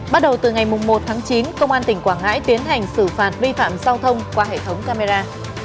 bắt đầu từ ngày một tháng chín công an tỉnh quảng ngãi tiến hành xử phạt vi phạm giao thông qua hệ thống camera